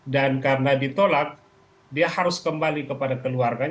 dan karena ditolak dia harus kembali kepada keluarga